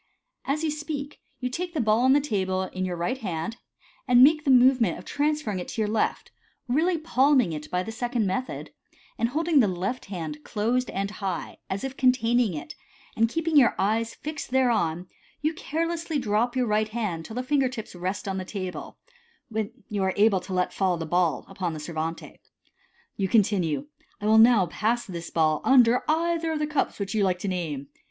As you speak, you take the ball on the table in your right hand, and make the movement of transferring it to your left, really palming it by the second method, and holding the left hand closed and high, as if containing it, and keeping your eyes fixed thereon, you carelessly drop your right hand till the finger tips rest on the table, when you are able to let fall the ball upon the servante. You continue, " I will now pass this ball under either of the cups which you like to name.